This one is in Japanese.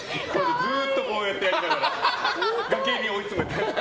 ずっとこうやりながら崖に追い詰めて。